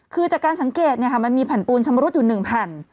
คือจากการสังเกตเนี่ยค่ะมันมีผันปูนชมรุดอยู่หนึ่งพัน